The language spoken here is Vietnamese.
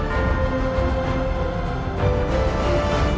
hạnh phúc máu